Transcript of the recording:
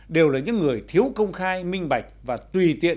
đều là những người thiếu công khai minh bạch và tùy tiện